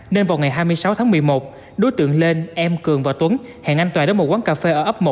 nên vào ngày hai mươi sáu tháng một mươi một đối tượng lên em cường và tuấn hẹn anh tòa đến một quán cà phê ở ấp một